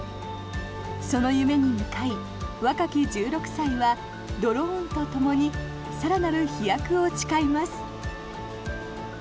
その夢に向かい、若き１６歳はドローンとともに更なる飛躍を誓います。